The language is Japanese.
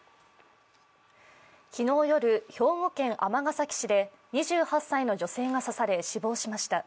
昨日夜、兵庫県尼崎市で２８歳の女性が刺され死亡しました。